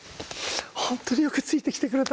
本当によくついてきてくれた！